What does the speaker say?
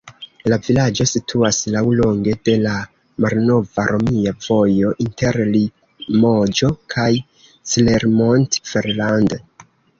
La vilaĝo situas laŭlonge de la malnova romia vojo inter Limoĝo kaj Clermont-Ferrand.